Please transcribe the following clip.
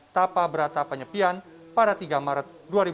tapa berata penyepian pada tiga maret dua ribu dua puluh